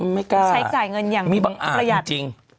ไม่กล้ามีบังอัดจริง